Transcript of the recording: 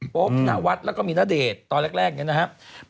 โป๊บหินะวัตน์และก็มีณเดชตอนแรกอย่างนี้นะครับ